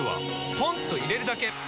ポンと入れるだけ！